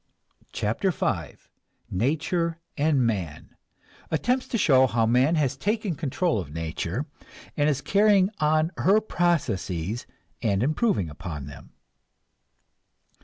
CHAPTER V NATURE AND MAN (Attempts to show how man has taken control of nature, and is carrying on her processes and improving upon them.)